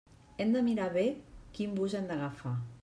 Hem de mirar bé quin bus hem d'agafar.